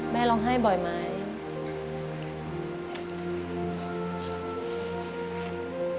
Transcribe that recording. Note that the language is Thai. แม่ร้องไห้บ่อยไหม